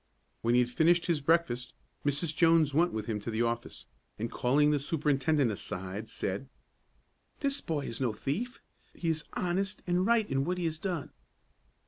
When he had finished his breakfast, Mrs. Jones went with him to the office, and calling the superintendent aside, said, "This boy is no thief. He is honest and right in what he has done."